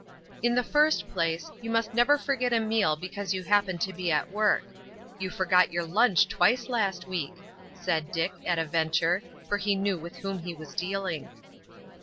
"In the first place, you must never forget a meal because you happen to be at work. You forgot your lunch twice last week," said Dick, at a venture, for he knew with whom he was dealing."